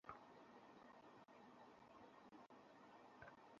তাকে আমি উত্তম অবস্থায় পেলাম।